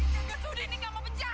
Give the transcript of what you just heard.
jangan sudah ini kamu benjahat